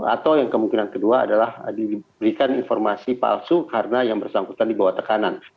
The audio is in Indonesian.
atau yang kemungkinan kedua adalah diberikan informasi palsu karena yang bersangkutan dibawa tekanan